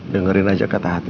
dengerin aja kata hati